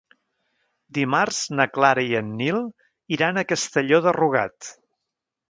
Dimarts na Clara i en Nil iran a Castelló de Rugat.